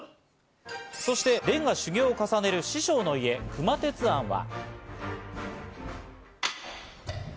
そして蓮が修行を重ねる師匠の家・熊徹庵は。